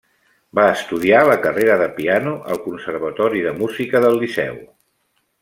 Va estudiar la carrera de piano al Conservatori de Música del Liceu.